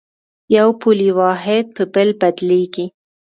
یو پولي واحد په بل بدلېږي.